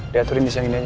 diaturin di siang ini aja